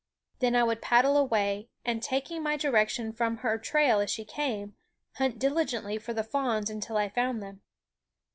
Then I would paddle away and, taking my direction from her trail as she came, hunt diligently for the fawns until I found them.